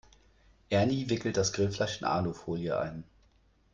Ernie wickelt das Grillfleisch in Alufolie ein.